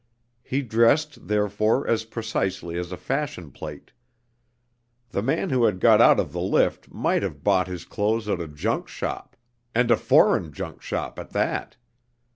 He dressed, therefore, as precisely as a fashion plate. The man who had got out of the lift might have bought his clothes at a junk shop, and a foreign junk shop at that.